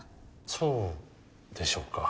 そうでしょうか？